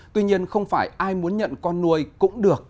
tuy nhiên không phải ai muốn nhận con nuôi cũng được